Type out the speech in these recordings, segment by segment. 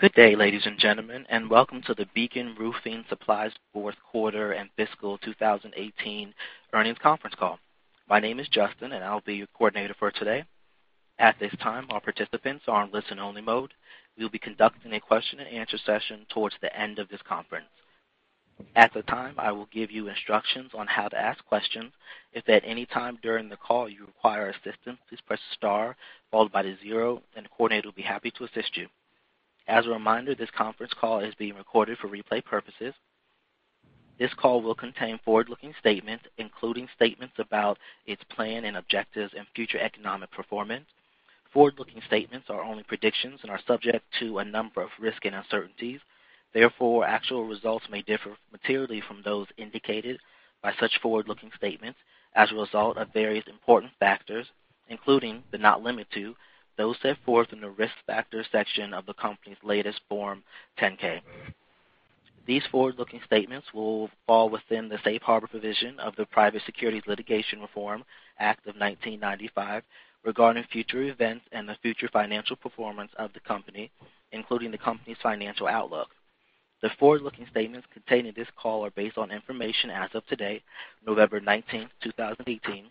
Good day, ladies and gentlemen, and welcome to the Beacon Roofing Supply's fourth quarter and fiscal 2018 earnings conference call. My name is Justin, and I'll be your coordinator for today. At this time, all participants are on listen-only mode. We'll be conducting a question and answer session towards the end of this conference. At the time, I will give you instructions on how to ask questions. If at any time during the call you require assistance, please press star followed by the zero, and a coordinator will be happy to assist you. As a reminder, this conference call is being recorded for replay purposes. This call will contain forward-looking statements, including statements about its plan and objectives and future economic performance. Forward-looking statements are only predictions and are subject to a number of risks and uncertainties. Actual results may differ materially from those indicated by such forward-looking statements as a result of various important factors, including, but not limited to, those set forth in the risk factors section of the company's latest Form 10-K. These forward-looking statements will fall within the safe harbor provision of the Private Securities Litigation Reform Act of 1995 regarding future events and the future financial performance of the company, including the company's financial outlook. The forward-looking statements contained in this call are based on information as of today, November 19, 2018,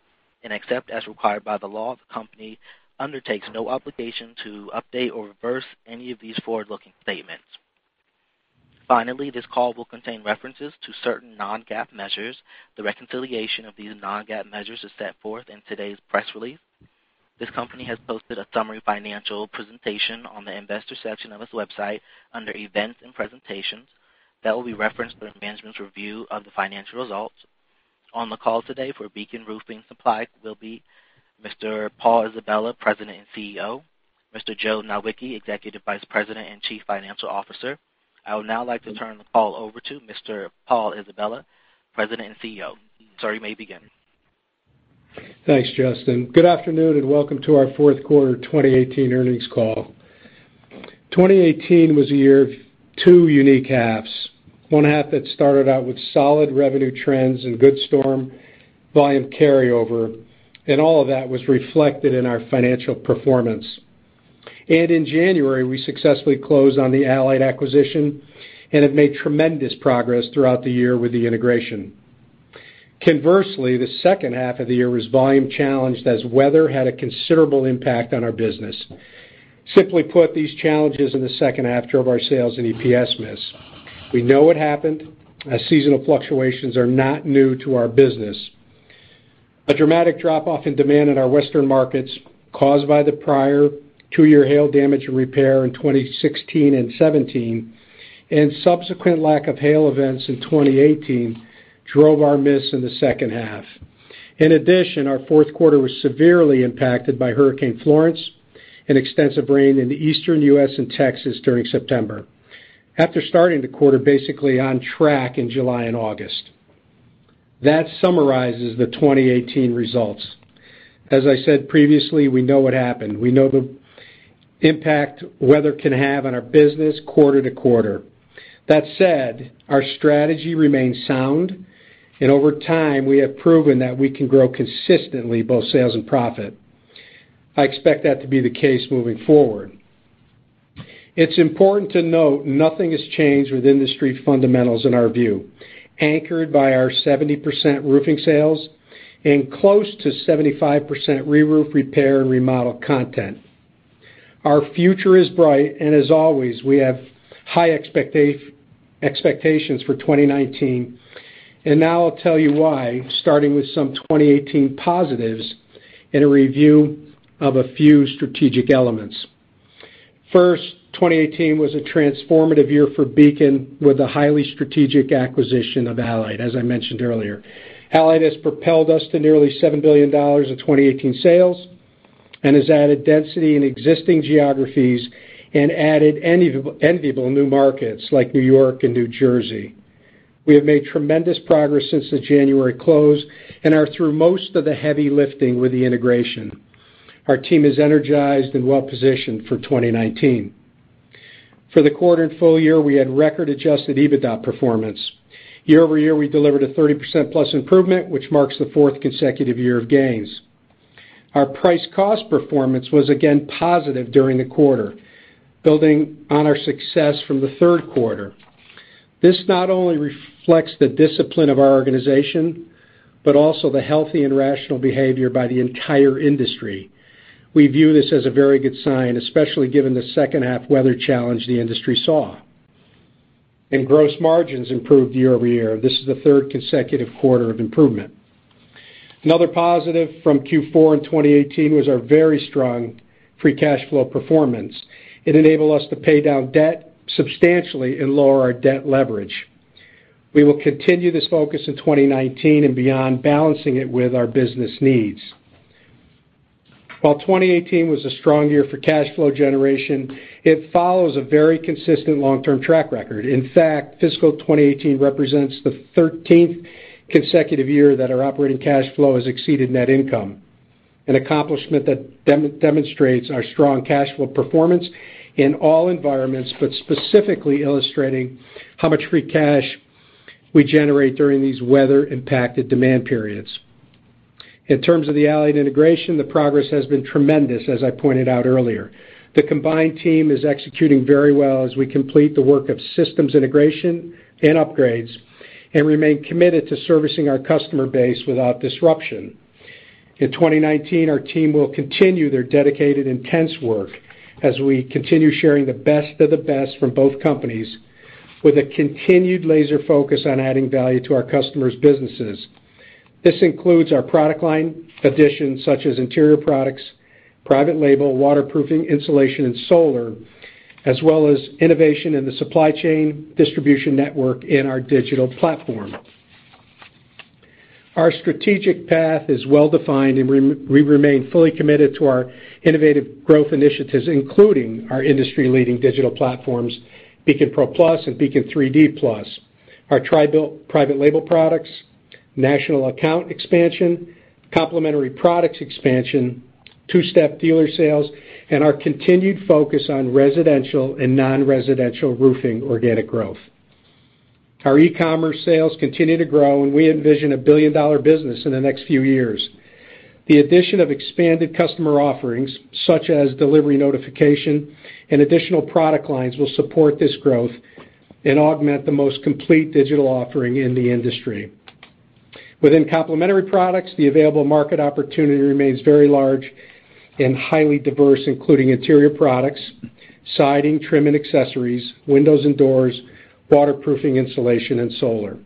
and except as required by the law, the company undertakes no obligation to update or revise any of these forward-looking statements. This call will contain references to certain non-GAAP measures. The reconciliation of these non-GAAP measures is set forth in today's press release. This company has posted a summary financial presentation on the investor section of its website under events and presentations that will be referenced in management's review of the financial results. On the call today for Beacon Roofing Supply will be Mr. Paul Isabella, President and CEO, Mr. Joe Nowicki, Executive Vice President and Chief Financial Officer. I would now like to turn the call over to Mr. Paul Isabella, President and CEO. Sir, you may begin. Thanks, Justin. Good afternoon, and welcome to our fourth quarter 2018 earnings call. 2018 was a year of two unique halves. One half that started out with solid revenue trends and good storm volume carryover, and all of that was reflected in our financial performance. In January, we successfully closed on the Allied acquisition and have made tremendous progress throughout the year with the integration. The second half of the year was volume-challenged as weather had a considerable impact on our business. Simply put, these challenges in the second half drove our sales and EPS miss. We know what happened, as seasonal fluctuations are not new to our business. A dramatic drop-off in demand in our western markets caused by the prior two-year hail damage repair in 2016 and '17 and subsequent lack of hail events in 2018 drove our miss in the second half. In addition, our fourth quarter was severely impacted by Hurricane Florence and extensive rain in the Eastern U.S. and Texas during September after starting the quarter basically on track in July and August. That summarizes the 2018 results. As I said previously, we know what happened. We know the impact weather can have on our business quarter-to-quarter. That said, our strategy remains sound, and over time, we have proven that we can grow consistently, both sales and profit. I expect that to be the case moving forward. It's important to note, nothing has changed with industry fundamentals in our view, anchored by our 70% roofing sales and close to 75% reroof, repair, and remodel content. Our future is bright, and as always, we have high expectations for 2019. Now I'll tell you why, starting with some 2018 positives and a review of a few strategic elements. First, 2018 was a transformative year for Beacon with the highly strategic acquisition of Allied, as I mentioned earlier. Allied has propelled us to nearly $7 billion of 2018 sales and has added density in existing geographies and added enviable new markets like New York and New Jersey. We have made tremendous progress since the January close and are through most of the heavy lifting with the integration. Our team is energized and well-positioned for 2019. For the quarter and full year, we had record-adjusted EBITDA performance. Year-over-year, we delivered a 30%+ improvement, which marks the fourth consecutive year of gains. Our price-cost performance was again positive during the quarter, building on our success from the third quarter. This not only reflects the discipline of our organization but also the healthy and rational behavior by the entire industry. We view this as a very good sign, especially given the second half weather challenge the industry saw. Gross margins improved year-over-year. This is the third consecutive quarter of improvement. Another positive from Q4 in 2018 was our very strong free cash flow performance. It enabled us to pay down debt substantially and lower our debt leverage. We will continue this focus in 2019 and beyond, balancing it with our business needs. While 2018 was a strong year for cash flow generation, it follows a very consistent long-term track record. In fact, fiscal 2018 represents the 13th consecutive year that our operating cash flow has exceeded net income, an accomplishment that demonstrates our strong cash flow performance in all environments, but specifically illustrating how much free cash we generate during these weather-impacted demand periods. In terms of the Allied integration, the progress has been tremendous, as I pointed out earlier. The combined team is executing very well as we complete the work of systems integration and upgrades and remain committed to servicing our customer base without disruption. In 2019, our team will continue their dedicated, intense work as we continue sharing the best of the best from both companies with a continued laser focus on adding value to our customers' businesses. This includes our product line additions such as interior products, private label, waterproofing, insulation, and solar, as well as innovation in the supply chain distribution network in our digital platform. Our strategic path is well-defined, and we remain fully committed to our innovative growth initiatives, including our industry-leading digital platforms, Beacon Pro+ and Beacon 3D+, our TRI-BUILT private label products, national account expansion, complementary products expansion, two-step dealer sales, and our continued focus on residential and non-residential roofing organic growth. Our e-commerce sales continue to grow, and we envision a billion-dollar business in the next few years. The addition of expanded customer offerings such as delivery notification and additional product lines will support this growth and augment the most complete digital offering in the industry. Within complementary products, the available market opportunity remains very large and highly diverse, including interior products, siding, trim, and accessories, windows and doors, waterproofing, insulation, and solar.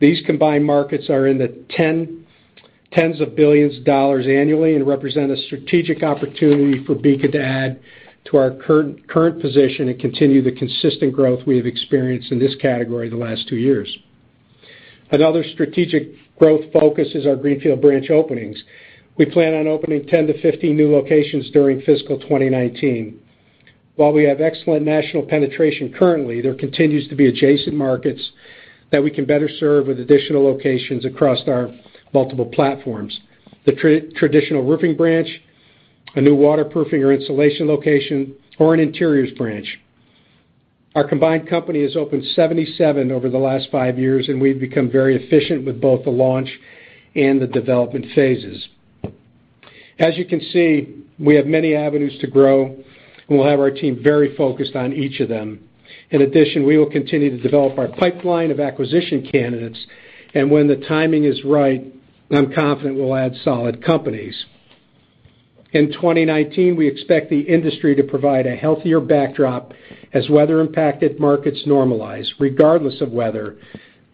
These combined markets are in the tens of billions of dollars annually and represent a strategic opportunity for Beacon to add to our current position and continue the consistent growth we have experienced in this category the last two years. Another strategic growth focus is our greenfield branch openings. We plan on opening 10 to 15 new locations during fiscal 2019. While we have excellent national penetration currently, there continues to be adjacent markets that we can better serve with additional locations across our multiple platforms, the traditional roofing branch, a new waterproofing or insulation location, or an interiors branch. Our combined company has opened 77 over the last five years, and we've become very efficient with both the launch and the development phases. As you can see, we have many avenues to grow, and we'll have our team very focused on each of them. In addition, we will continue to develop our pipeline of acquisition candidates, and when the timing is right, I'm confident we'll add solid companies. In 2019, we expect the industry to provide a healthier backdrop as weather-impacted markets normalize. Regardless of weather,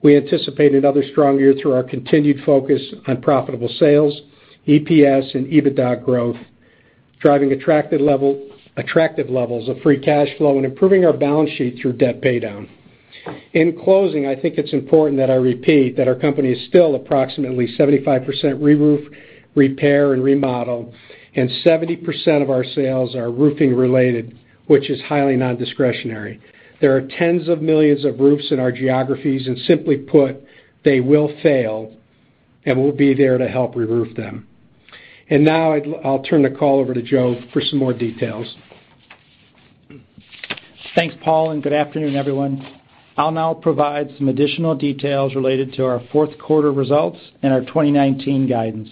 we anticipate another strong year through our continued focus on profitable sales, EPS, and EBITDA growth, driving attractive levels of free cash flow, improving our balance sheet through debt paydown. In closing, I think it's important that I repeat that our company is still approximately 75% reroof, repair, and remodel, 70% of our sales are roofing-related, which is highly non-discretionary. There are tens of millions of roofs in our geographies, simply put, they will fail, and we'll be there to help reroof them. Now, I'll turn the call over to Joe for some more details. Thanks, Paul, good afternoon, everyone. I'll now provide some additional details related to our fourth quarter results and our 2019 guidance.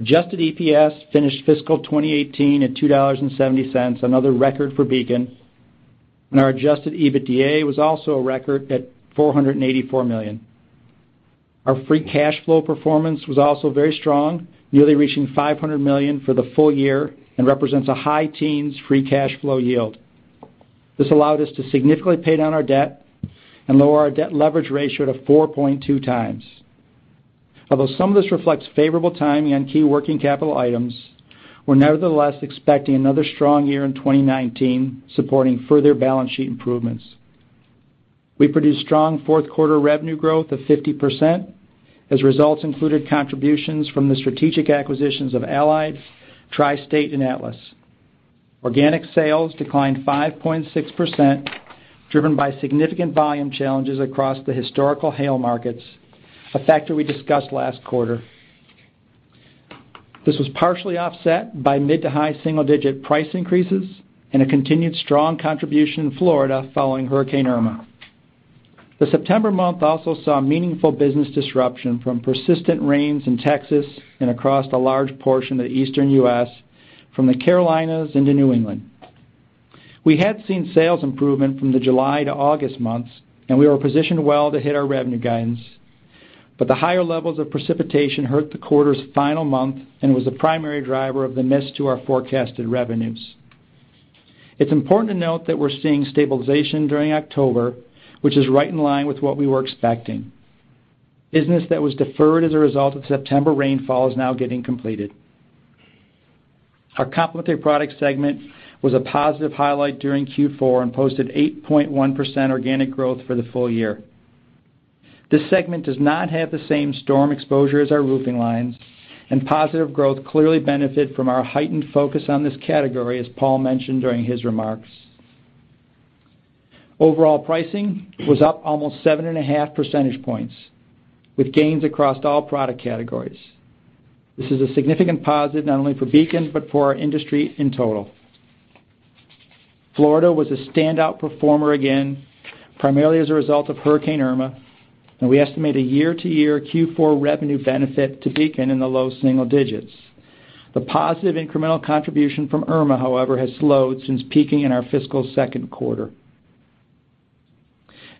Adjusted EPS finished fiscal 2018 at $2.70, another record for Beacon. Our adjusted EBITDA was also a record at $484 million. Our free cash flow performance was also very strong, nearly reaching $500 million for the full year and represents a high teens free cash flow yield. This allowed us to significantly pay down our debt and lower our debt leverage ratio to 4.2 times. Some of this reflects favorable timing on key working capital items, we're nevertheless expecting another strong year in 2019, supporting further balance sheet improvements. We produced strong fourth quarter revenue growth of 50%, as results included contributions from the strategic acquisitions of Allied, Tri-State, and Atlas. Organic sales declined 5.6%, driven by significant volume challenges across the historical hail markets, a factor we discussed last quarter. This was partially offset by mid to high single-digit price increases and a continued strong contribution in Florida following Hurricane Irma. The September month also saw meaningful business disruption from persistent rains in Texas and across a large portion of the Eastern U.S., from the Carolinas into New England. We had seen sales improvement from the July to August months, and we were positioned well to hit our revenue guidance, but the higher levels of precipitation hurt the quarter's final month and was the primary driver of the miss to our forecasted revenues. It's important to note that we're seeing stabilization during October, which is right in line with what we were expecting. Business that was deferred as a result of September rainfall is now getting completed. Our complementary product segment was a positive highlight during Q4 and posted 8.1% organic growth for the full year. This segment does not have the same storm exposure as our roofing lines, and positive growth clearly benefited from our heightened focus on this category, as Paul mentioned during his remarks. Overall pricing was up almost seven and a half percentage points, with gains across all product categories. This is a significant positive not only for Beacon, but for our industry in total. Florida was a standout performer again, primarily as a result of Hurricane Irma, and we estimate a year-to-year Q4 revenue benefit to Beacon in the low single digits. The positive incremental contribution from Irma, however, has slowed since peaking in our fiscal second quarter.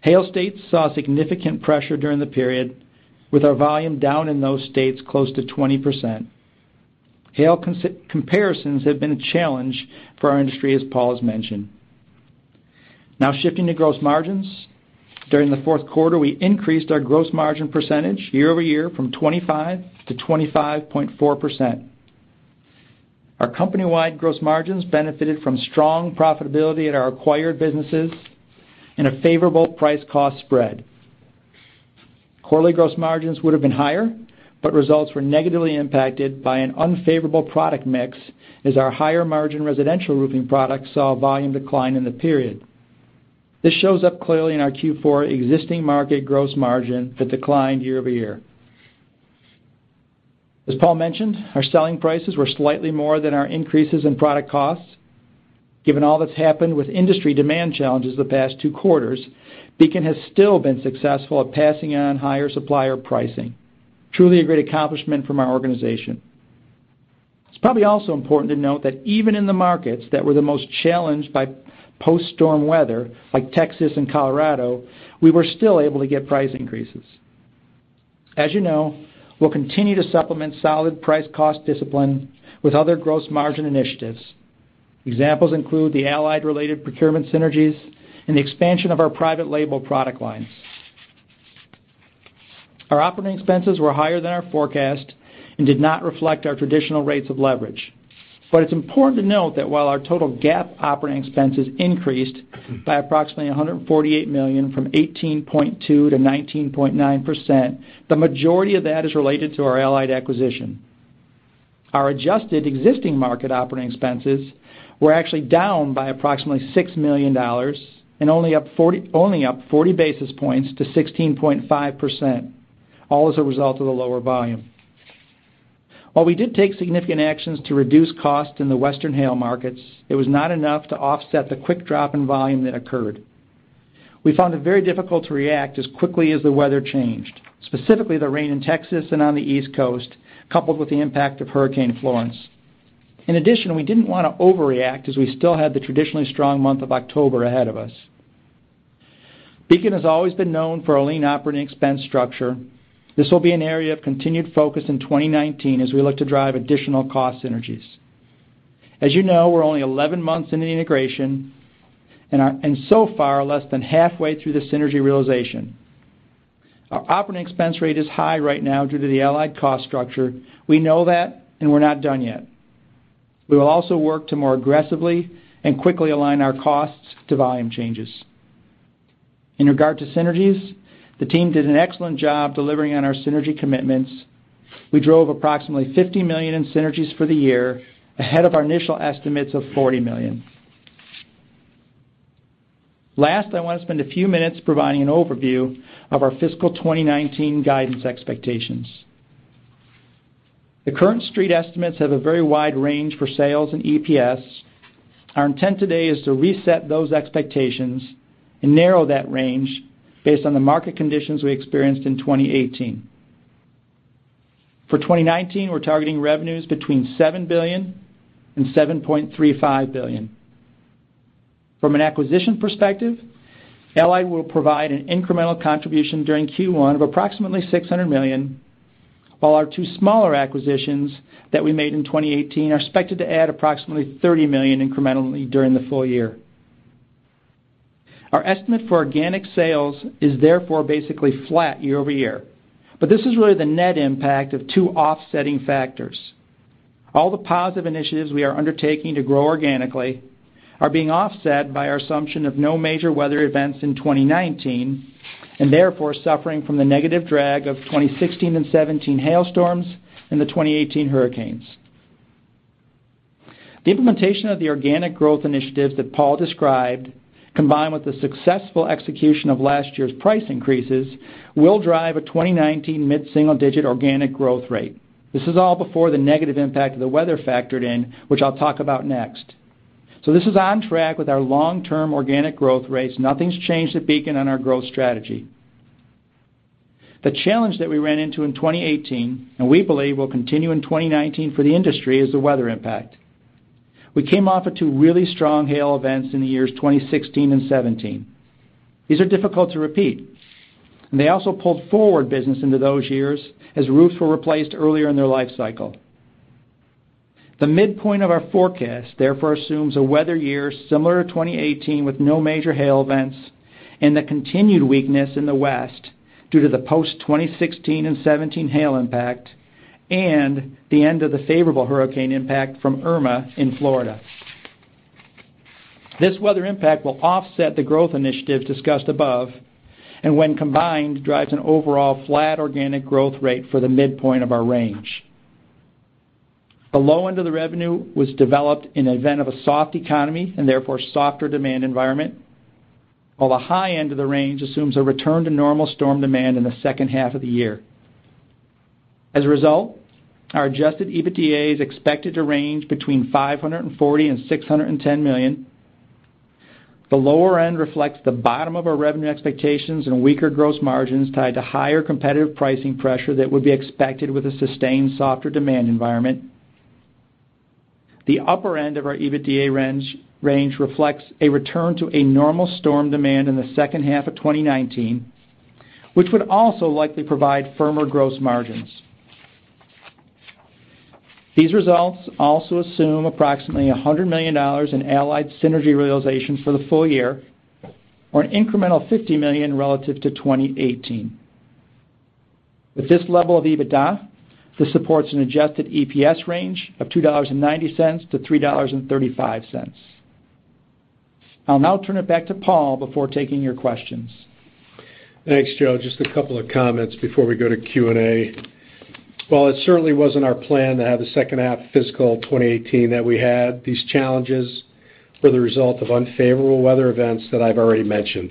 Hail states saw significant pressure during the period, with our volume down in those states close to 20%. Hail comparisons have been a challenge for our industry, as Paul has mentioned. Now shifting to gross margins. During the fourth quarter, we increased our gross margin percentage year-over-year from 25% to 25.4%. Our company-wide gross margins benefited from strong profitability at our acquired businesses and a favorable price-cost spread. Quarterly gross margins would have been higher, results were negatively impacted by an unfavorable product mix, as our higher-margin residential roofing products saw volume decline in the period. This shows up clearly in our Q4 existing market gross margin that declined year-over-year. As Paul mentioned, our selling prices were slightly more than our increases in product costs. Given all that's happened with industry demand challenges the past two quarters, Beacon has still been successful at passing on higher supplier pricing. Truly a great accomplishment from our organization. It's probably also important to note that even in the markets that were the most challenged by post-storm weather, like Texas and Colorado, we were still able to get price increases. As you know, we'll continue to supplement solid price-cost discipline with other gross margin initiatives. Examples include the Allied-related procurement synergies and the expansion of our private label product lines. Our operating expenses were higher than our forecast and did not reflect our traditional rates of leverage. It's important to note that while our total GAAP operating expenses increased by approximately $148 million from 18.2% to 19.9%, the majority of that is related to our Allied acquisition. Our adjusted existing market operating expenses were actually down by approximately $6 million and only up 40 basis points to 16.5%, all as a result of the lower volume. While we did take significant actions to reduce costs in the western hail markets, it was not enough to offset the quick drop in volume that occurred. We found it very difficult to react as quickly as the weather changed, specifically the rain in Texas and on the East Coast, coupled with the impact of Hurricane Florence. In addition, we didn't want to overreact as we still had the traditionally strong month of October ahead of us. Beacon has always been known for a lean operating expense structure. This will be an area of continued focus in 2019 as we look to drive additional cost synergies. As you know, we're only 11 months into the integration and so far are less than halfway through the synergy realization. Our operating expense rate is high right now due to the Allied cost structure. We know that, and we're not done yet. We will also work to more aggressively and quickly align our costs to volume changes. In regard to synergies, the team did an excellent job delivering on our synergy commitments. We drove approximately $50 million in synergies for the year, ahead of our initial estimates of $40 million. Last, I want to spend a few minutes providing an overview of our fiscal 2019 guidance expectations. The current Street estimates have a very wide range for sales and EPS. Our intent today is to reset those expectations and narrow that range based on the market conditions we experienced in 2018. For 2019, we're targeting revenues between $7 billion and $7.35 billion. From an acquisition perspective, Allied will provide an incremental contribution during Q1 of approximately $600 million, while our two smaller acquisitions that we made in 2018 are expected to add approximately $30 million incrementally during the full year. Our estimate for organic sales is therefore basically flat year-over-year. This is really the net impact of two offsetting factors. All the positive initiatives we are undertaking to grow organically are being offset by our assumption of no major weather events in 2019, and therefore suffering from the negative drag of 2016 and 2017 hail storms and the 2018 hurricanes. The implementation of the organic growth initiatives that Paul described, combined with the successful execution of last year's price increases, will drive a 2019 mid-single-digit organic growth rate. This is all before the negative impact of the weather factored in, which I'll talk about next. This is on track with our long-term organic growth rates. Nothing's changed at Beacon on our growth strategy. The challenge that we ran into in 2018, and we believe will continue in 2019 for the industry, is the weather impact. We came off of two really strong hail events in the years 2016 and 2017. These are difficult to repeat. They also pulled forward business into those years as roofs were replaced earlier in their life cycle. The midpoint of our forecast therefore assumes a weather year similar to 2018 with no major hail events and the continued weakness in the West due to the post-2016 and 2017 hail impact and the end of the favorable hurricane impact from Irma in Florida. This weather impact will offset the growth initiatives discussed above, and when combined, drives an overall flat organic growth rate for the midpoint of our range. The low end of the revenue was developed in event of a soft economy and therefore softer demand environment, while the high end of the range assumes a return to normal storm demand in the second half of the year. As a result, our adjusted EBITDA is expected to range between $540 million and $610 million. The lower end reflects the bottom of our revenue expectations and weaker gross margins tied to higher competitive pricing pressure that would be expected with a sustained softer demand environment. The upper end of our EBITDA range reflects a return to a normal storm demand in the second half of 2019, which would also likely provide firmer gross margins. These results also assume approximately $100 million in Allied synergy realization for the full year, or an incremental $50 million relative to 2018. With this level of EBITDA, this supports an adjusted EPS range of $2.90 to $3.35. I'll now turn it back to Paul before taking your questions. Thanks, Joe. Just a couple of comments before we go to Q&A. While it certainly wasn't our plan to have the second half of fiscal 2018 that we had, these challenges were the result of unfavorable weather events that I've already mentioned.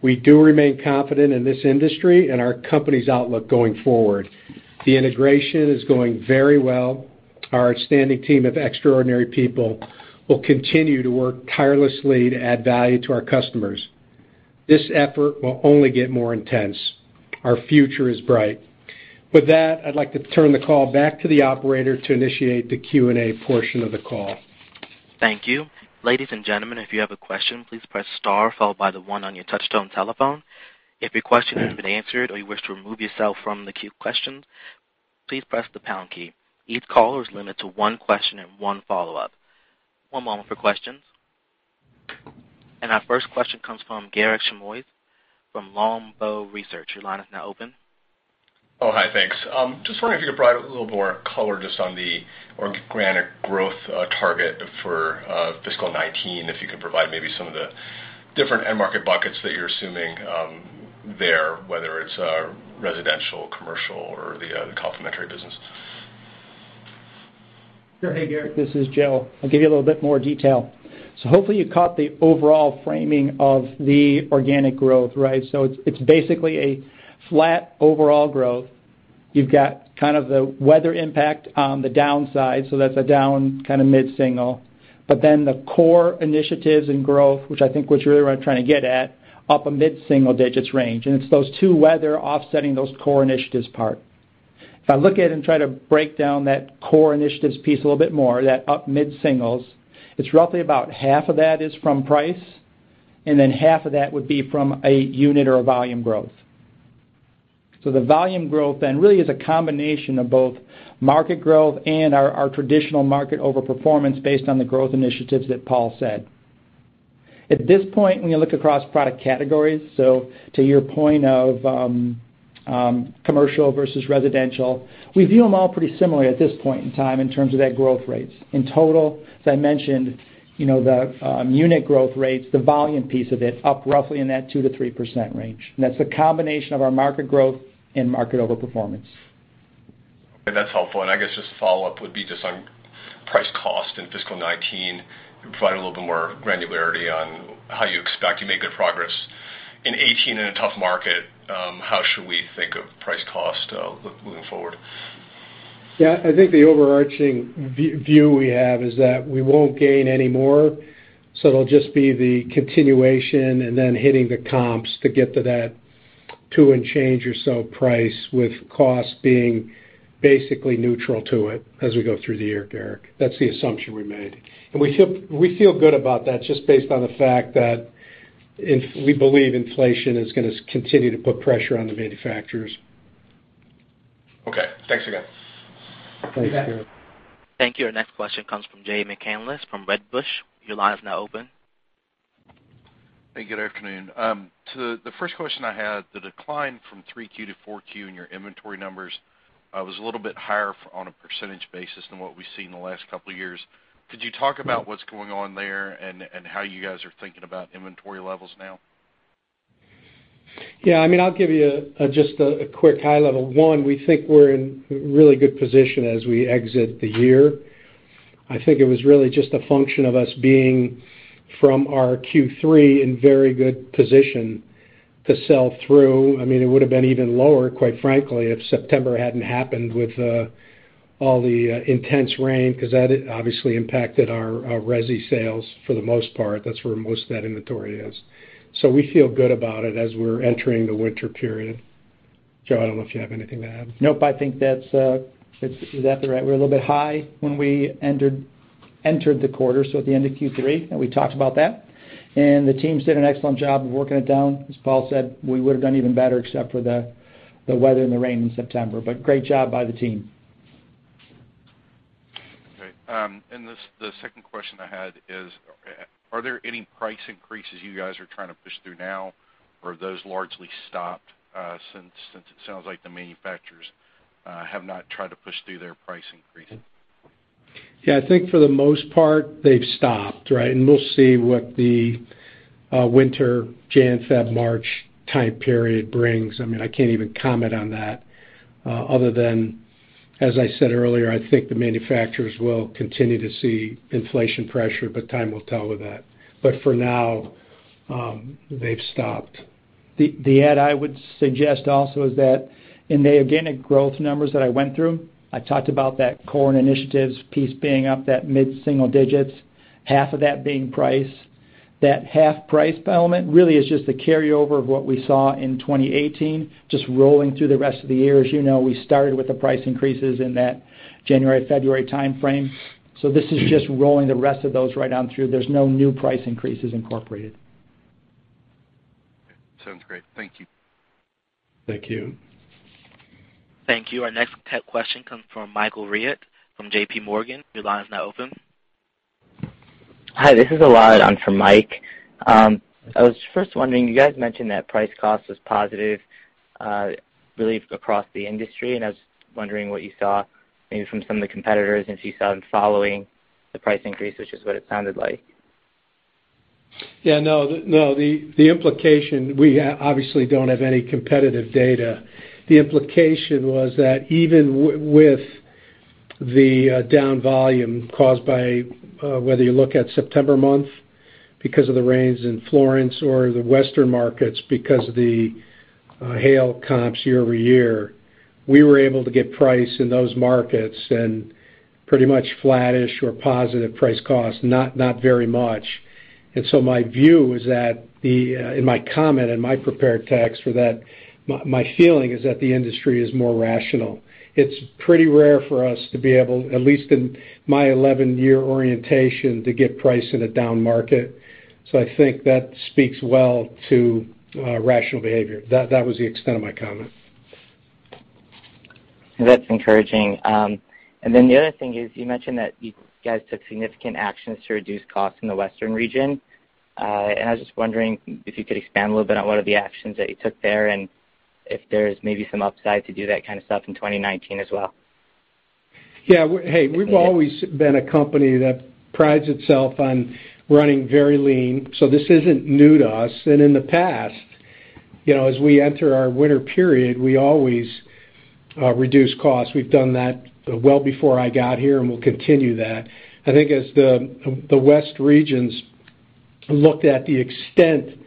We do remain confident in this industry and our company's outlook going forward. The integration is going very well. Our outstanding team of extraordinary people will continue to work tirelessly to add value to our customers. This effort will only get more intense. Our future is bright. With that, I'd like to turn the call back to the operator to initiate the Q&A portion of the call. Thank you. Ladies and gentlemen, if you have a question, please press star followed by the one on your touch-tone telephone. If your question has been answered or you wish to remove yourself from the queue questions, please press the pound key. Each caller is limited to one question and one follow-up. One moment for questions. Our first question comes from Garik Shmois from Longbow Research. Your line is now open. Oh, hi, thanks. Just wondering if you could provide a little more color just on the organic growth target for fiscal 2019, if you could provide maybe some of the different end market buckets that you're assuming there, whether it's residential, commercial, or the complementary business. Hey, Garik, this is Joe. I'll give you a little bit more detail. Hopefully, you caught the overall framing of the organic growth, right? It's basically a flat overall growth. You've got kind of the weather impact on the downside, so that's a down kind of mid-single. The core initiatives and growth, which I think what you're really trying to get at, up a mid-single digits range. It's those two weather offsetting those core initiatives part. I look at it and try to break down that core initiatives piece a little bit more, that up mid-singles, it's roughly about half of that is from price, and then half of that would be from a unit or a volume growth. The volume growth really is a combination of both market growth and our traditional market overperformance based on the growth initiatives that Paul said. At this point, when you look across product categories, to your point of commercial versus residential, we view them all pretty similarly at this point in time in terms of their growth rates. In total, as I mentioned, the unit growth rates, the volume piece of it, up roughly in that 2%-3% range. That's a combination of our market growth and market overperformance. That's helpful. I guess just a follow-up would be just on price cost in fiscal 2019. You provided a little bit more granularity on how you expect to make good progress. In 2018, in a tough market, how should we think of price cost moving forward? I think the overarching view we have is that we won't gain any more. It'll just be the continuation and then hitting the comps to get to that two and change or so price with cost being basically neutral to it as we go through the year, Garik. That's the assumption we made. We feel good about that just based on the fact that we believe inflation is going to continue to put pressure on the manufacturers. Thanks again. Thanks, Garik. Thank you. Our next question comes from Jay McCanless from Wedbush. Your line is now open. Hey, good afternoon. The first question I had, the decline from 3Q to 4Q in your inventory numbers was a little bit higher on a percentage basis than what we've seen in the last couple of years. Could you talk about what's going on there and how you guys are thinking about inventory levels now? Yeah, I mean, I'll give you just a quick high level. One, we think we're in a really good position as we exit the year. I think it was really just a function of us being from our Q3 in very good position to sell through. I mean, it would have been even lower, quite frankly, if September hadn't happened with all the intense rain, because that obviously impacted our resi sales for the most part. That's where most of that inventory is. We feel good about it as we're entering the winter period. Joe, I don't know if you have anything to add. Nope, I think that's right. We were a little bit high when we entered the quarter, so at the end of Q3. We talked about that. The teams did an excellent job of working it down. As Paul said, we would have done even better except for the weather and the rain in September. Great job by the team. Okay. The second question I had is, are there any price increases you guys are trying to push through now? Have those largely stopped since it sounds like the manufacturers have not tried to push through their price increases? Yeah, I think for the most part, they've stopped, right? We'll see what the winter January, February, March time period brings. I mean, I can't even comment on that other than, as I said earlier, I think the manufacturers will continue to see inflation pressure, but time will tell with that. For now, they've stopped. The add I would suggest also is that in the organic growth numbers that I went through, I talked about that core initiatives piece being up that mid-single digits, half of that being price. That half price element really is just a carryover of what we saw in 2018, just rolling through the rest of the year. As you know, we started with the price increases in that January, February timeframe. This is just rolling the rest of those right on through. There's no new price increases incorporated. Sounds great. Thank you. Thank you. Thank you. Our next question comes from Michael Rehaut from JPMorgan. Your line is now open. Hi, this is Elad on for Mike. I was first wondering, you guys mentioned that price cost was positive, really across the industry, I was wondering what you saw maybe from some of the competitors, and if you saw them following the price increase, which is what it sounded like. Yeah, no. We obviously don't have any competitive data. The implication was that even with the down volume caused by, whether you look at September month because of the rains in Florence or the Western markets because of the hail comps year-over-year, we were able to get price in those markets and pretty much flattish or positive price cost, not very much. My view is that, in my comment in my prepared text for that, my feeling is that the industry is more rational. It's pretty rare for us to be able, at least in my 11-year orientation, to get price in a down market. I think that speaks well to rational behavior. That was the extent of my comment. That's encouraging. The other thing is you mentioned that you guys took significant actions to reduce costs in the Western region. I was just wondering if you could expand a little bit on what are the actions that you took there, and if there's maybe some upside to do that kind of stuff in 2019 as well. Yeah. Hey, we've always been a company that prides itself on running very lean, so this isn't new to us. In the past, as we enter our winter period, we always reduce costs. We've done that well before I got here, and we'll continue that. I think as the West regions looked at the extent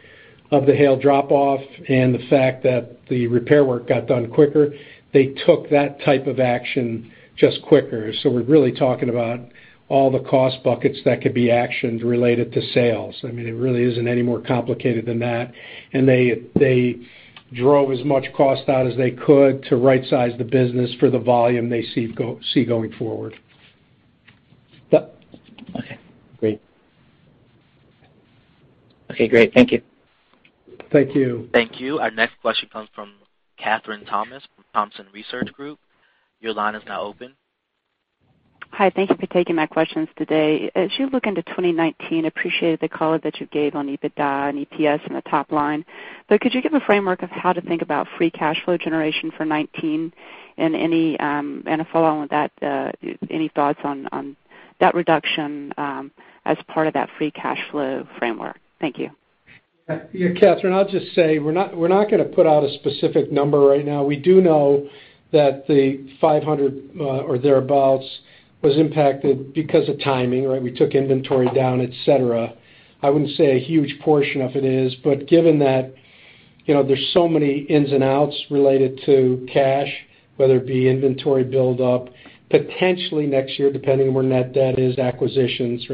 of the hail drop off and the fact that the repair work got done quicker, they took that type of action just quicker. We're really talking about all the cost buckets that could be actioned related to sales. It really isn't any more complicated than that. They drove as much cost out as they could to rightsize the business for the volume they see going forward. Okay, great. Okay, great. Thank you. Thank you. Thank you. Our next question comes from Kathryn Thompson from Thompson Research Group. Your line is now open. Hi, thank you for taking my questions today. As you look into 2019, appreciated the color that you gave on EBITDA and EPS in the top line. Could you give a framework of how to think about free cash flow generation for 2019? A follow on with that, any thoughts on debt reduction as part of that free cash flow framework? Thank you. Yeah. Kathryn, I'll just say we're not going to put out a specific number right now. We do know that the $500 or thereabouts was impacted because of timing. We took inventory down, et cetera. I wouldn't say a huge portion of it is, given that there's so many ins and outs related to cash, whether it be inventory buildup, potentially next year depending on where net debt is, acquisitions.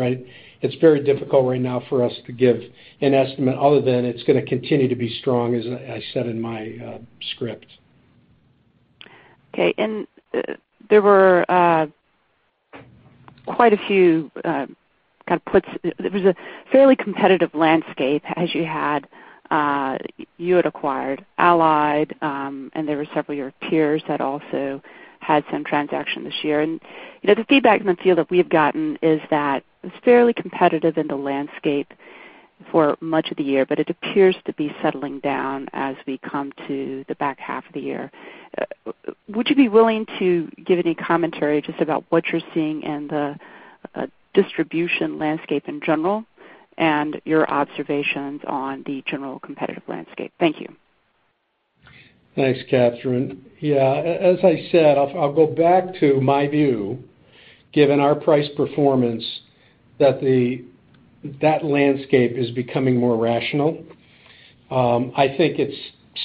It's very difficult right now for us to give an estimate other than it's going to continue to be strong as I said in my script. Okay, there was a fairly competitive landscape as you had acquired Allied, and there were several of your peers that also had some transaction this year. The feedback in the field that we have gotten is that it's fairly competitive in the landscape for much of the year, but it appears to be settling down as we come to the back half of the year. Would you be willing to give any commentary just about what you're seeing in the distribution landscape in general and your observations on the general competitive landscape? Thank you. Thanks, Kathryn Thompson. Yeah. As I said, I'll go back to my view, given our price performance, that landscape is becoming more rational. I think it's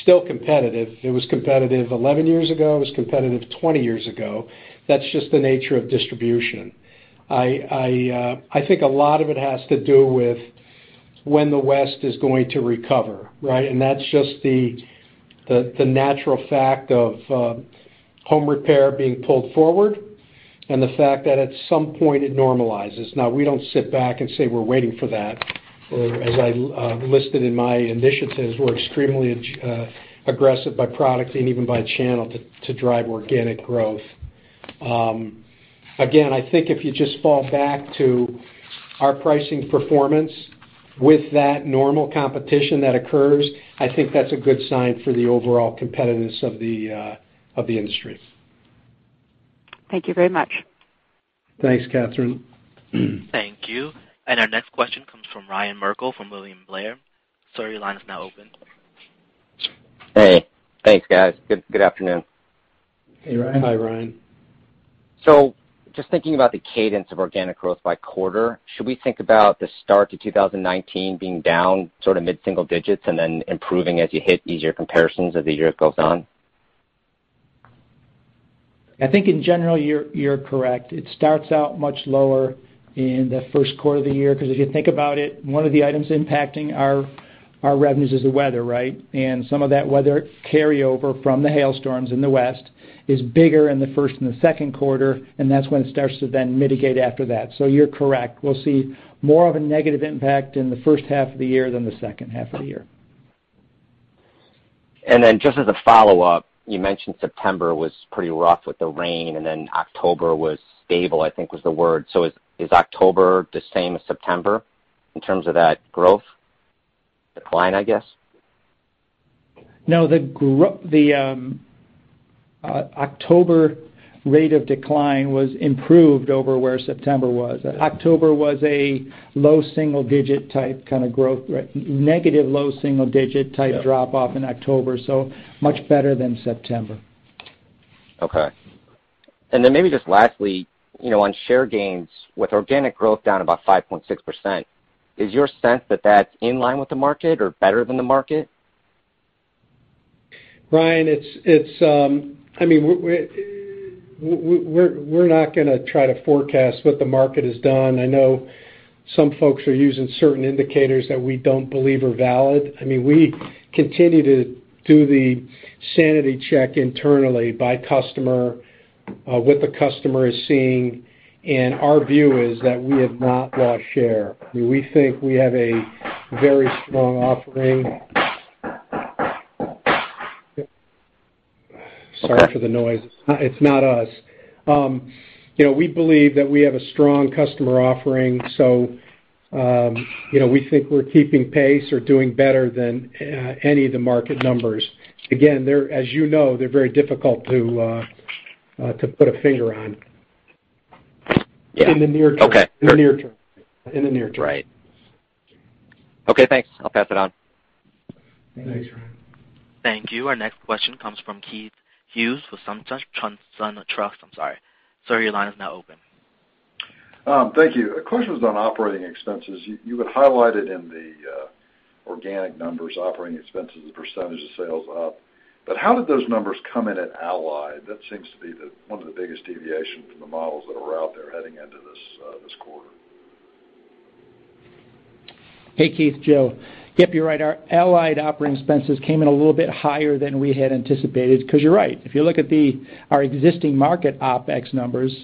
still competitive. It was competitive 11 years ago. It was competitive 20 years ago. That's just the nature of distribution. I think a lot of it has to do with when the West is going to recover. That's just the natural fact of home repair being pulled forward and the fact that at some point it normalizes. Now we don't sit back and say we're waiting for that. As I listed in my initiatives, we're extremely aggressive by product and even by channel to drive organic growth. Again, I think if you just fall back to our pricing performance with that normal competition that occurs, I think that's a good sign for the overall competitiveness of the industry. Thank you very much. Thanks, Kathryn Thompson. Thank you. Our next question comes from Ryan Merkel from William Blair. Sir, your line is now open. Hey. Thanks, guys. Good afternoon. Hey, Ryan. Hi, Ryan. Thinking about the cadence of organic growth by quarter, should we think about the start to 2019 being down mid-single digits and then improving as you hit easier comparisons as the year goes on? I think in general, you're correct. It starts out much lower in the first quarter of the year, because if you think about it, one of the items impacting our revenues is the weather, right? Some of that weather carryover from the hailstorms in the West is bigger in the first and the second quarter, and that's when it starts to then mitigate after that. You're correct. We'll see more of a negative impact in the first half of the year than the second half of the year. Just as a follow-up, you mentioned September was pretty rough with the rain, October was stable, I think was the word. Is October the same as September in terms of that growth decline, I guess? No, the October rate of decline was improved over where September was. October was a low single-digit type kind of growth rate. Negative low single-digit type drop-off in October. Much better than September. Okay. Then maybe just lastly, on share gains, with organic growth down about 5.6%, is your sense that that's in line with the market or better than the market? Ryan, we're not going to try to forecast what the market has done. I know some folks are using certain indicators that we don't believe are valid. We continue to do the sanity check internally by customer, what the customer is seeing, our view is that we have not lost share. We think we have a very strong offering. Sorry for the noise. It's not us. We believe that we have a strong customer offering. We think we're keeping pace or doing better than any of the market numbers. Again, as you know, they're very difficult to put a finger on. Yeah. Okay. In the near term. Right. Okay, thanks. I'll pass it on. Thanks, Ryan. Thank you. Our next question comes from Keith Hughes with SunTrust. Sir, your line is now open. Thank you. A question on operating expenses. You had highlighted in the organic numbers, operating expenses as a % of sales up. How did those numbers come in at Allied? That seems to be one of the biggest deviations from the models that were out there heading into this quarter. Hey, Keith, Joe. Yep, you're right. Our Allied operating expenses came in a little bit higher than we had anticipated, because you're right. If you look at our existing market OpEx numbers,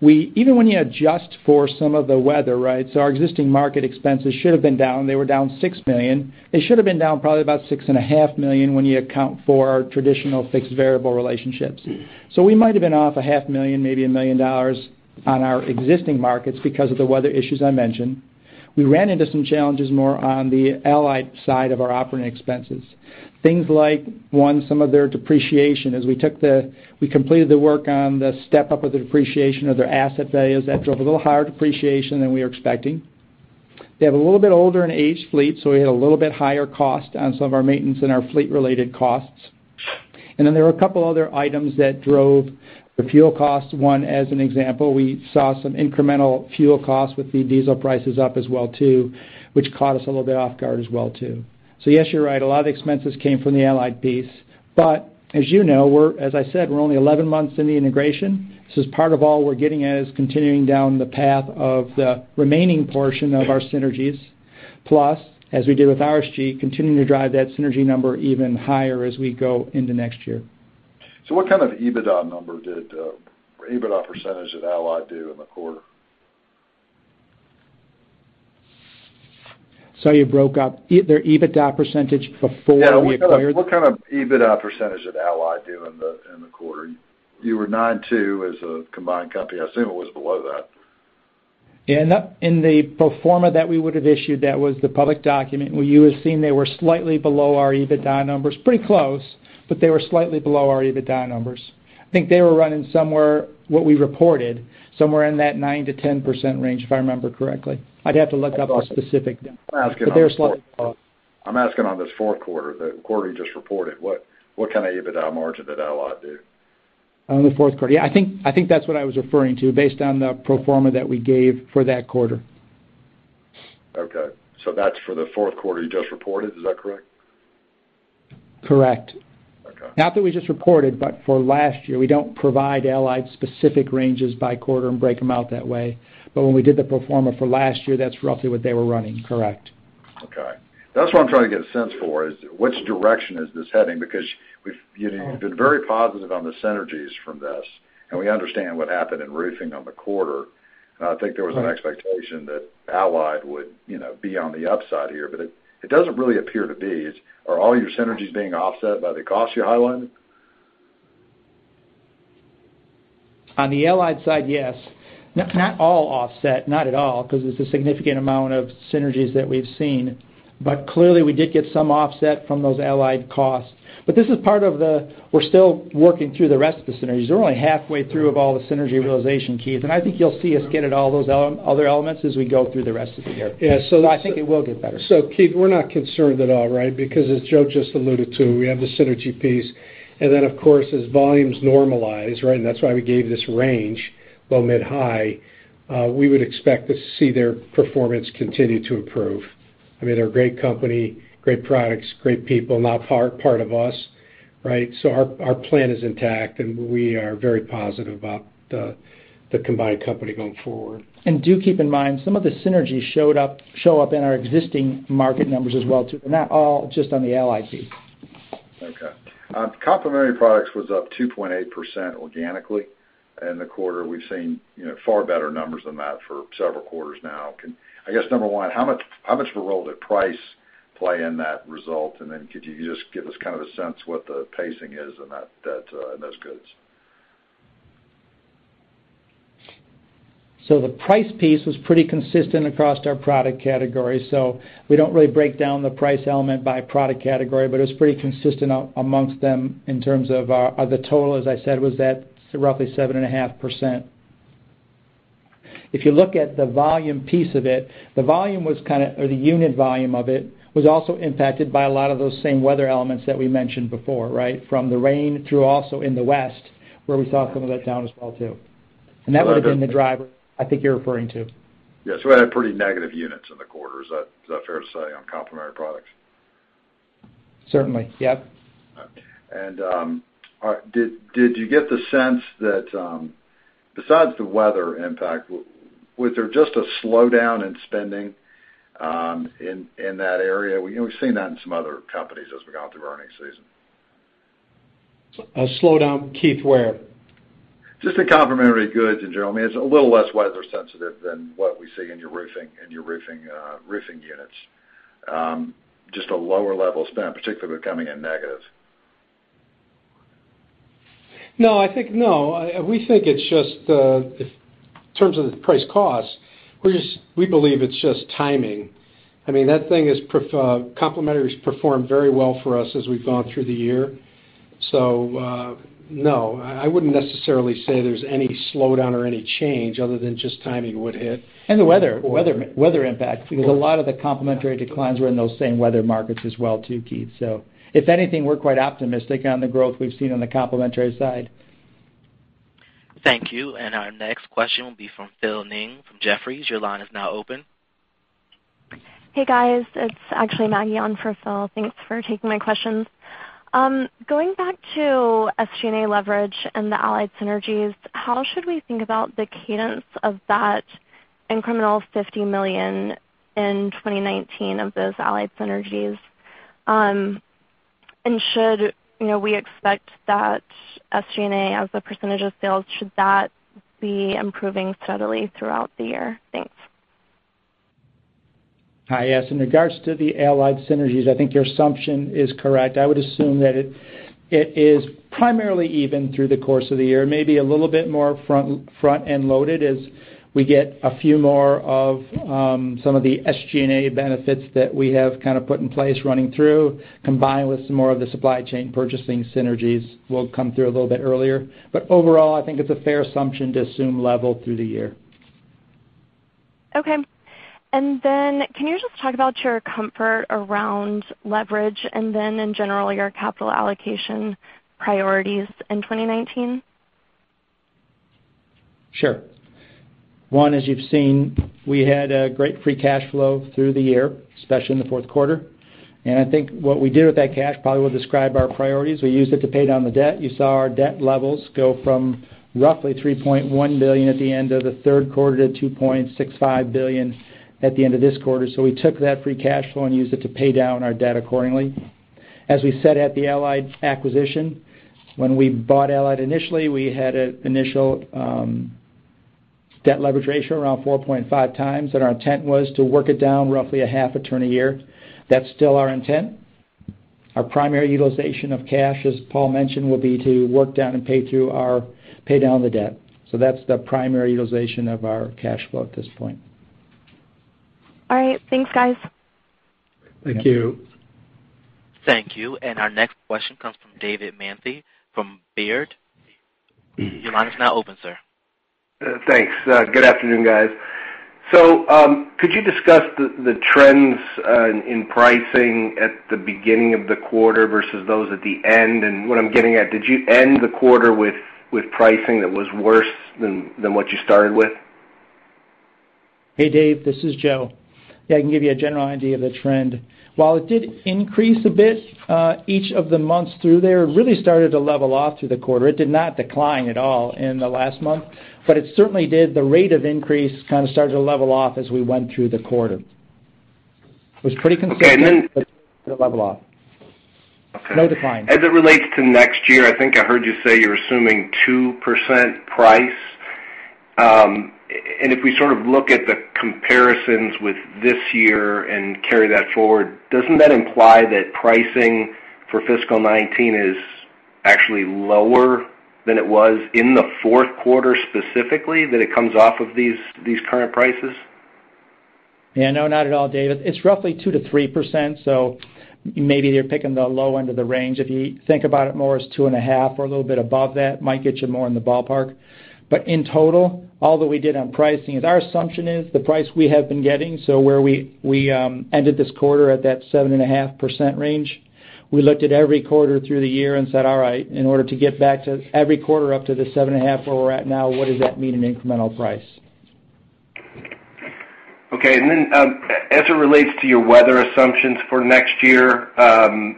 even when you adjust for some of the weather, our existing market expenses should have been down. They were down $6 million. They should have been down probably about $6.5 million when you account for traditional fixed variable relationships. We might've been off a half million, maybe $1 million on our existing markets because of the weather issues I mentioned. We ran into some challenges more on the Allied side of our operating expenses. Things like, one, some of their depreciation. As we completed the work on the step-up of the depreciation of their asset values, that drove a little higher depreciation than we were expecting. They have a little bit older in age fleet, we had a little bit higher cost on some of our maintenance and our fleet-related costs. There were a couple other items that drove the fuel costs. One, as an example, we saw some incremental fuel costs with the diesel prices up as well, too, which caught us a little bit off guard as well, too. Yes, you're right. A lot of the expenses came from the Allied piece. As you know, as I said, we're only 11 months in the integration. As part of all we're getting at is continuing down the path of the remaining portion of our synergies. Plus, as we did with RSG, continuing to drive that synergy number even higher as we go into next year. What kind of EBITDA percentage did Allied do in the quarter? Sorry, broke up. Their EBITDA percentage before we acquired- What kind of EBITDA % did Allied do in the quarter? You were 9.2 as a combined company. I assume it was below that. In the pro forma that we would have issued, that was the public document, where you would have seen they were slightly below our EBITDA numbers. Pretty close, they were slightly below our EBITDA numbers. I think they were running, what we reported, somewhere in that 9%-10% range, if I remember correctly. I'd have to look up the specific number. They were slightly below. I'm asking on this fourth quarter, the quarter you just reported. What kind of EBITDA margin did Allied do? On the fourth quarter. I think that's what I was referring to based on the pro forma that we gave for that quarter. Okay. That's for the fourth quarter you just reported, is that correct? Correct. Okay. Not that we just reported, but for last year. We don't provide Allied specific ranges by quarter and break them out that way. When we did the pro forma for last year, that's roughly what they were running. Correct. Okay. That's what I'm trying to get a sense for, is which direction is this heading? You've been very positive on the synergies from this, and we understand what happened in Roofing on the quarter. I think there was an expectation that Allied would be on the upside here, but it doesn't really appear to be. Are all your synergies being offset by the costs you highlighted? On the Allied side, yes. Not all offset, not at all, because there's a significant amount of synergies that we've seen. Clearly, we did get some offset from those Allied costs. We're still working through the rest of the synergies. We're only halfway through of all the synergy realization, Keith, and I think you'll see us get at all those other elements as we go through the rest of the year. I think it will get better. Keith, we're not concerned at all, right? Because as Joe just alluded to, we have the synergy piece. Of course, as volumes normalize, and that's why we gave this range, low, mid, high, we would expect to see their performance continue to improve. They're a great company, great products, great people, now part of us, right? Our plan is intact, and we are very positive about the combined company going forward. Do keep in mind, some of the synergies show up in our existing market numbers as well, too. They're not all just on the Allied piece. Okay. Complementary products was up 2.8% organically in the quarter. We've seen far better numbers than that for several quarters now. I guess, number 1, how much of a role did price play in that result? Could you just give us a sense what the pacing is in those goods? The price piece was pretty consistent across our product category. We don't really break down the price element by product category, but it was pretty consistent amongst them in terms of the total, as I said, was at roughly 7.5%. If you look at the volume piece of it, the unit volume of it was also impacted by a lot of those same weather elements that we mentioned before. From the rain through also in the west, where we saw some of that down as well, too. That would have been the driver I think you're referring to. Yeah. We had pretty negative units in the quarter. Is that fair to say, on complementary products? Certainly, yep. Did you get the sense that, besides the weather impact, was there just a slowdown in spending in that area? We've seen that in some other companies as we've gone through earning season. A slowdown, Keith, where? Just in complementary goods in general. It's a little less weather sensitive than what we see in your roofing units. Just a lower level of spend, particularly becoming a negative. No. We think in terms of the price cost, we believe it's just timing. Complementary has performed very well for us as we've gone through the year. No, I wouldn't necessarily say there's any slowdown or any change other than just timing would hit. The weather impact, because a lot of the complementary declines were in those same weather markets as well too, Keith. If anything, we're quite optimistic on the growth we've seen on the complementary side. Thank you. Our next question will be from Philip Ng from Jefferies. Your line is now open. Hey, guys. It's actually Maggie on for Phil. Thanks for taking my questions. Going back to SG&A leverage and the Allied synergies, how should we think about the cadence of that incremental $50 million in 2019 of those Allied synergies? Should we expect that SG&A, as a % of sales, should that be improving steadily throughout the year? Thanks. Hi. Yes, in regards to the Allied synergies, I think your assumption is correct. I would assume that it is primarily even through the course of the year, maybe a little bit more front-end loaded as we get a few more of some of the SG&A benefits that we have put in place running through, combined with some more of the supply chain purchasing synergies will come through a little bit earlier. Overall, I think it's a fair assumption to assume level through the year. Okay. Can you just talk about your comfort around leverage and then in general, your capital allocation priorities in 2019? Sure. One, as you've seen, we had a great free cash flow through the year, especially in the fourth quarter. I think what we did with that cash probably will describe our priorities. We used it to pay down the debt. You saw our debt levels go from roughly $3.1 billion at the end of the third quarter to $2.65 billion at the end of this quarter. We took that free cash flow and used it to pay down our debt accordingly. As we said at the Allied acquisition, when we bought Allied initially, we had an initial debt leverage ratio around 4.5 times, and our intent was to work it down roughly a half a turn a year. That's still our intent. Our primary utilization of cash, as Paul mentioned, will be to work down and pay down the debt. that's the primary utilization of our cash flow at this point. All right. Thanks, guys. Thank you. Thank you. Our next question comes from David Manthey from Baird. Your line is now open, sir. Thanks. Good afternoon, guys. Could you discuss the trends in pricing at the beginning of the quarter versus those at the end? What I'm getting at, did you end the quarter with pricing that was worse than what you started with? Hey, Dave, this is Joe. Yeah, I can give you a general idea of the trend. While it did increase a bit, each of the months through there really started to level off through the quarter. It did not decline at all in the last month, but it certainly did, the rate of increase kind of started to level off as we went through the quarter. It was pretty consistent- Okay. Then- It started to level off. Okay. No decline. As it relates to next year, I think I heard you say you're assuming 2% price. If we look at the comparisons with this year and carry that forward, doesn't that imply that pricing for fiscal 2019 is actually lower than it was in the fourth quarter specifically? That it comes off of these current prices? Yeah, no, not at all, David. It's roughly 2%-3%, so maybe you're picking the low end of the range. If you think about it more as two and a half or a little bit above that, might get you more in the ballpark. In total, all that we did on pricing is our assumption is the price we have been getting, so where we ended this quarter at that 7.5% range. We looked at every quarter through the year and said, "All right, in order to get back to every quarter up to the 7.5% where we're at now, what does that mean in incremental price? Okay. Then as it relates to your weather assumptions for next year,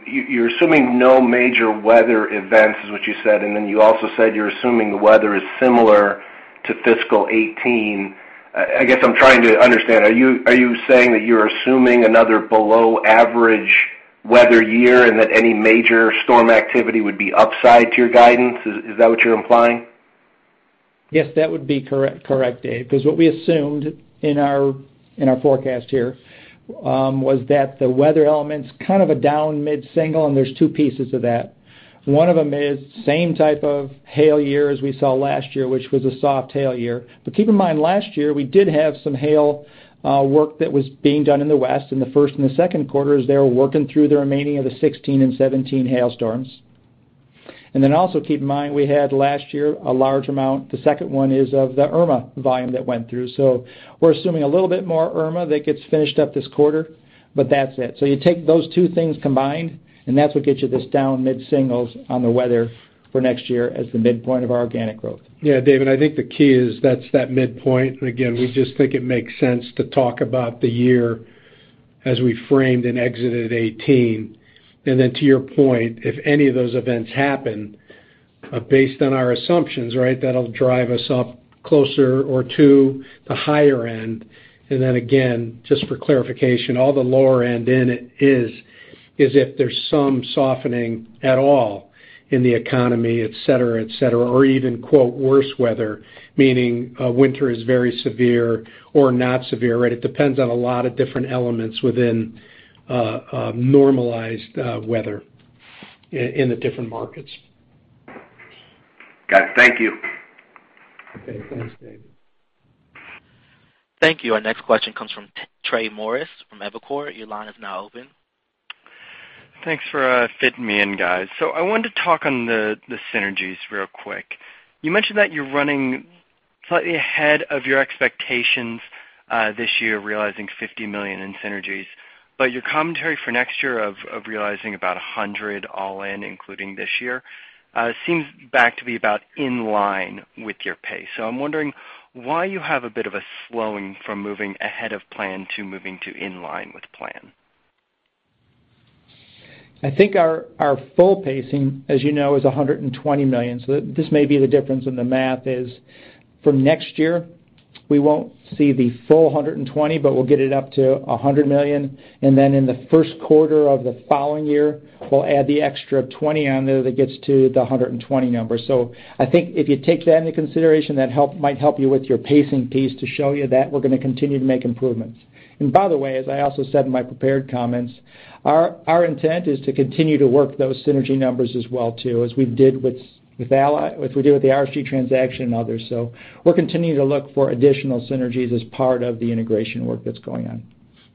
you're assuming no major weather events, is what you said, and you also said you're assuming the weather is similar to fiscal 2018. I guess I'm trying to understand, are you saying that you're assuming another below average weather year and that any major storm activity would be upside to your guidance? Is that what you're implying? Yes, that would be correct, David, because what we assumed in our forecast here was that the weather elements kind of a down mid-single, and there's two pieces of that. One of them is same type of hail year as we saw last year, which was a soft hail year. But keep in mind, last year we did have some hail work that was being done in the West in the first and the second quarters. They were working through the remaining of the 2016 and 2017 hail storms. Also keep in mind, we had last year, a large amount, the second one is of the Irma volume that went through. We're assuming a little bit more Irma that gets finished up this quarter, but that's it. You take those two things combined, and that's what gets you this down mid-singles on the weather for next year as the midpoint of our organic growth. David, I think the key is that's that midpoint. Again, we just think it makes sense to talk about the year as we framed and exited 2018. To your point, if any of those events happen, based on our assumptions, that'll drive us up closer or to the higher end. Again, just for clarification, all the lower end in it is if there's some softening at all in the economy, et cetera. Even, quote, "worse weather," meaning a winter is very severe or not severe. It depends on a lot of different elements within normalized weather in the different markets. Got it. Thank you. Okay. Thanks, David. Thank you. Our next question comes from Trey Morris from Evercore. Your line is now open. Thanks for fitting me in, guys. I wanted to talk on the synergies real quick. You mentioned that you're running slightly ahead of your expectations this year, realizing $50 million in synergies. Your commentary for next year of realizing about $100 million all in, including this year, seems back to be about in line with your pace. I'm wondering why you have a bit of a slowing from moving ahead of plan to moving to in line with plan. I think our full pacing, as you know, is $120 million. This may be the difference in the math is from next year, we won't see the full $120 million, but we'll get it up to $100 million, and then in the first quarter of the following year, we'll add the extra $20 million on there that gets to the $120 million number. I think if you take that into consideration, that might help you with your pacing piece to show you that we're going to continue to make improvements. By the way, as I also said in my prepared comments, our intent is to continue to work those synergy numbers as well, too, as we did with the RSG transaction and others. We're continuing to look for additional synergies as part of the integration work that's going on.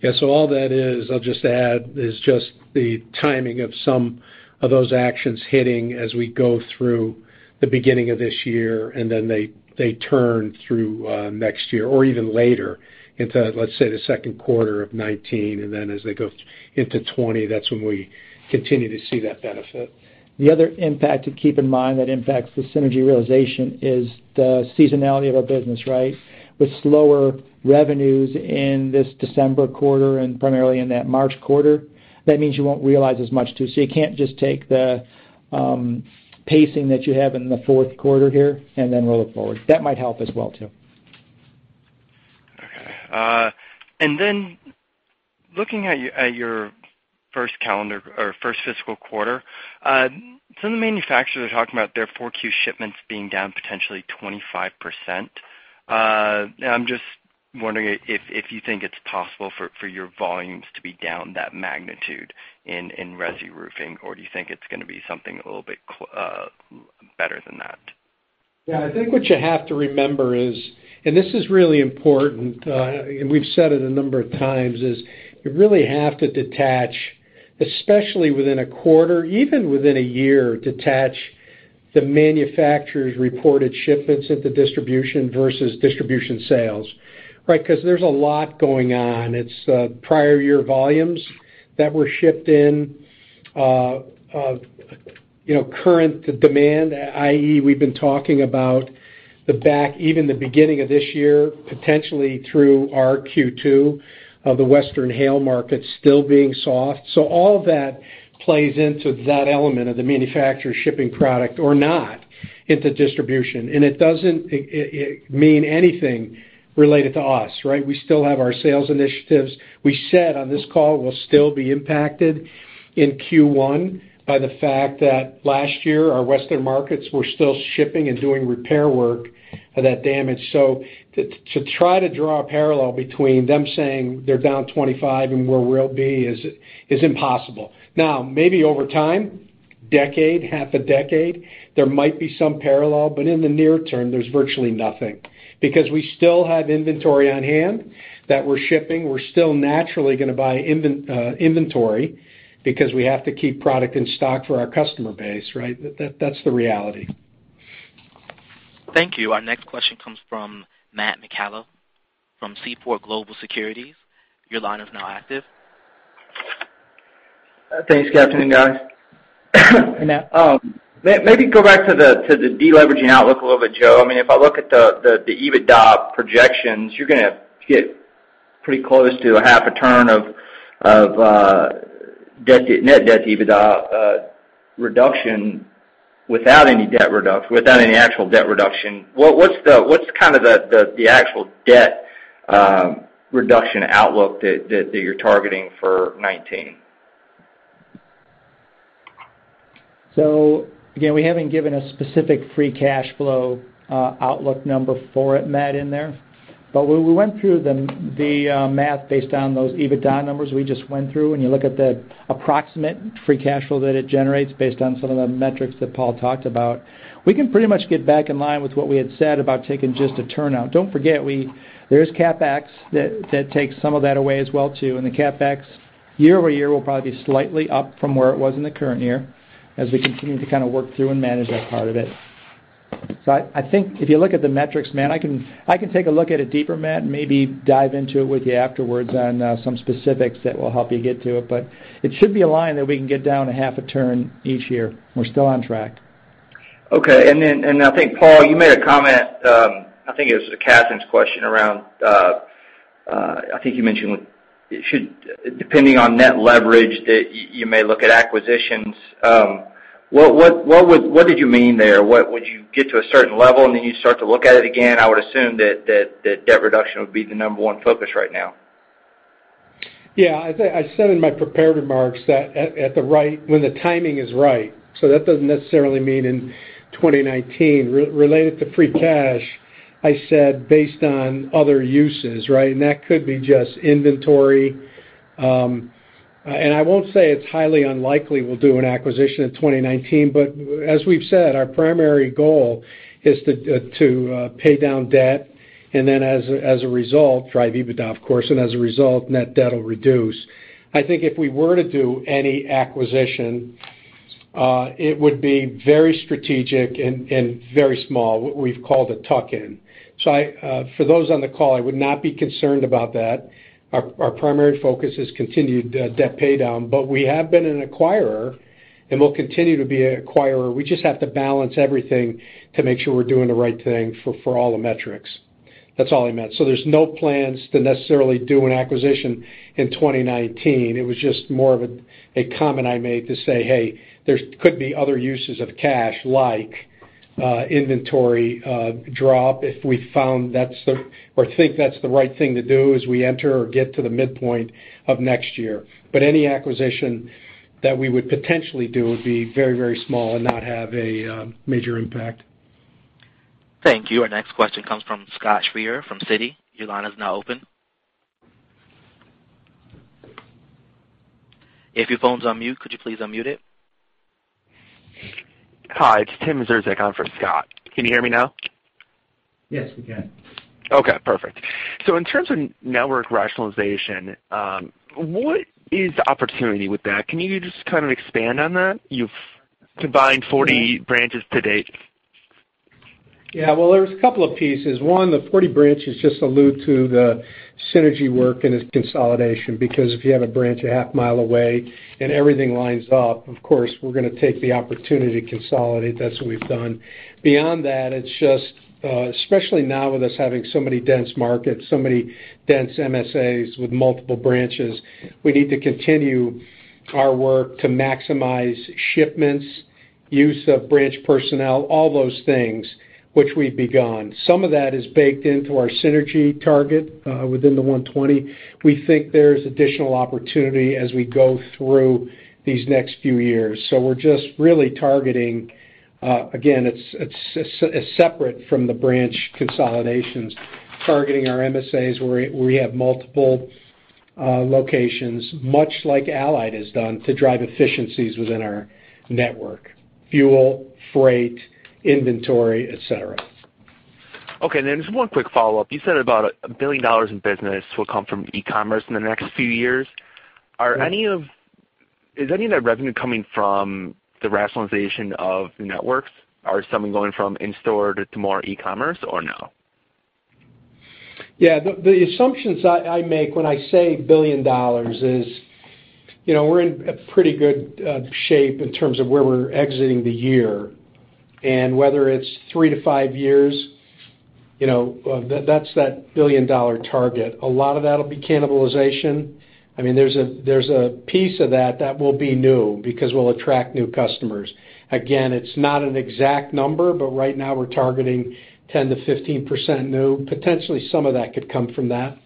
Yeah. All that is, I'll just add, is just the timing of some of those actions hitting as we go through the beginning of this year, and then they turn through next year or even later into, let's say, the second quarter of 2019, and then as they go into 2020, that's when we continue to see that benefit. The other impact to keep in mind that impacts the synergy realization is the seasonality of our business. With slower revenues in this December quarter and primarily in that March quarter, that means you won't realize as much too. You can't just take the pacing that you have in the fourth quarter here and then roll it forward. That might help as well, too. Okay. Looking at your first fiscal quarter, some of the manufacturers are talking about their 4Q shipments being down potentially 25%. I'm just wondering if you think it's possible for your volumes to be down that magnitude in resi roofing, or do you think it's going to be something a little bit better than that? Yeah. I think what you have to remember is, and this is really important, and we've said it a number of times, is you really have to detach, especially within a quarter, even within a year, detach the manufacturer's reported shipments into distribution versus distribution sales. Because there's a lot going on. It's prior year volumes that were shipped in, current demand, i.e., we've been talking about the back, even the beginning of this year, potentially through our Q2 of the Western hail market still being soft. All that plays into that element of the manufacturer shipping product or not into distribution. It doesn't mean anything related to us. We still have our sales initiatives. We said on this call, we'll still be impacted in Q1 by the fact that last year, our Western markets were still shipping and doing repair work of that damage. To try to draw a parallel between them saying they're down 25% and where we'll be is impossible. Now, maybe over time, Decade, half a decade, there might be some parallel, but in the near term, there's virtually nothing because we still have inventory on hand that we're shipping. We're still naturally going to buy inventory because we have to keep product in stock for our customer base, right? That's the reality. Thank you. Our next question comes from Matthew Zukowsky from Seaport Global Securities. Your line is now active. Thanks, Kathryn and guys. Hey, Matt. Maybe go back to the deleveraging outlook a little bit, Joe. If I look at the EBITDA projections, you're going to get pretty close to a half a turn of net debt EBITDA reduction without any actual debt reduction. What's the actual debt reduction outlook that you're targeting for 2019? Again, we haven't given a specific free cash flow outlook number for it, Matt, in there. When we went through the math based on those EBITDA numbers we just went through, and you look at the approximate free cash flow that it generates based on some of the metrics that Paul talked about, we can pretty much get back in line with what we had said about taking just a turn out. Don't forget, there is CapEx that takes some of that away as well too, and the CapEx year-over-year will probably be slightly up from where it was in the current year as we continue to kind of work through and manage that part of it. I think if you look at the metrics, Matt, I can take a look at it deeper, Matt, and maybe dive into it with you afterwards on some specifics that will help you get to it. It should be a line that we can get down a half a turn each year. We're still on track. Okay. Then I think, Paul, you made a comment, I think it was to Kathryn's question around, I think you mentioned depending on net leverage, that you may look at acquisitions. What did you mean there? Would you get to a certain level, then you start to look at it again? I would assume that debt reduction would be the number one focus right now. Yeah. I said in my prepared remarks that when the timing is right, that doesn't necessarily mean in 2019. Related to free cash, I said based on other uses, right? That could be just inventory. I won't say it's highly unlikely we'll do an acquisition in 2019, as we've said, our primary goal is to pay down debt, then as a result, drive EBITDA, of course, as a result, net debt will reduce. I think if we were to do any acquisition, it would be very strategic and very small, what we've called a tuck-in. For those on the call, I would not be concerned about that. Our primary focus is continued debt paydown. We have been an acquirer and will continue to be an acquirer. We just have to balance everything to make sure we're doing the right thing for all the metrics. That's all I meant. There's no plans to necessarily do an acquisition in 2019. It was just more of a comment I made to say, hey, there could be other uses of cash, like inventory drop if we found or think that's the right thing to do as we enter or get to the midpoint of next year. Any acquisition that we would potentially do would be very small and not have a major impact. Thank you. Our next question comes from Scott Schrier from Citi. Your line is now open. If your phone's on mute, could you please unmute it? Hi, it's Timothy Wojs on for Scott. Can you hear me now? Yes, we can. Okay, perfect. In terms of network rationalization, what is the opportunity with that? Can you just kind of expand on that? You've combined 40 branches to date. Well, there's a couple of pieces. One, the 40 branches just allude to the synergy work and its consolidation, because if you have a branch a half mile away and everything lines up, of course, we're going to take the opportunity to consolidate. That's what we've done. Beyond that, it's just, especially now with us having so many dense markets, so many dense MSAs with multiple branches, we need to continue our work to maximize shipments, use of branch personnel, all those things which we've begun. Some of that is baked into our synergy target within the 120. We think there's additional opportunity as we go through these next few years. We're just really targeting, again, it's separate from the branch consolidations, targeting our MSAs where we have multiple locations, much like Allied has done to drive efficiencies within our network, fuel, freight, inventory, et cetera. Okay, just one quick follow-up. You said about $1 billion in business will come from e-commerce in the next few years. Yes. Is any of that revenue coming from the rationalization of the networks? Or is something going from in-store to more e-commerce, or no? Yeah, the assumptions I make when I say $1 billion is we're in a pretty good shape in terms of where we're exiting the year. Whether it's 3-5 years, that's that billion-dollar target. A lot of that will be cannibalization. There's a piece of that that will be new because we'll attract new customers. Again, it's not an exact number, but right now we're targeting 10%-15% new. Potentially some of that could come from that.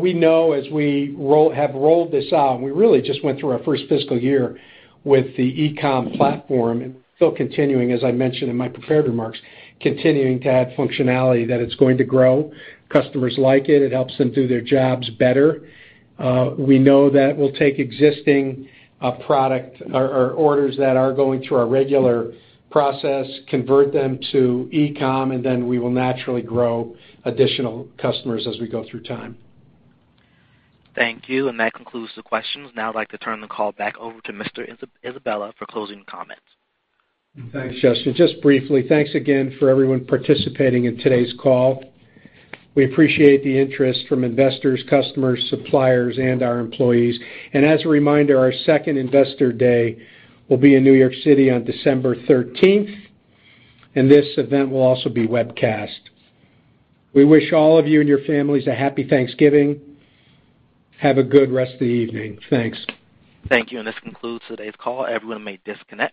We know as we have rolled this out, and we really just went through our first fiscal year with the e-com platform and still continuing, as I mentioned in my prepared remarks, continuing to add functionality that it's going to grow. Customers like it. It helps them do their jobs better. We know that we'll take existing orders that are going through our regular process, convert them to e-com, then we will naturally grow additional customers as we go through time. Thank you. That concludes the questions. Now I'd like to turn the call back over to Mr. Isabella for closing comments. Thanks, Justin. Just briefly, thanks again for everyone participating in today's call. We appreciate the interest from investors, customers, suppliers, and our employees. As a reminder, our second investor day will be in New York City on December 13th, and this event will also be webcast. We wish all of you and your families a Happy Thanksgiving. Have a good rest of the evening. Thanks. Thank you. This concludes today's call. Everyone may disconnect.